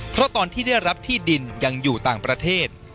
เพราะตอนที่ได้รับที่ดินยังอยู่ต่างประเทศ